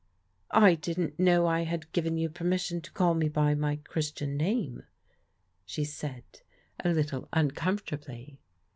" I didn't know I had given you permission to call me by my Christian name," she said a little uncomfortably.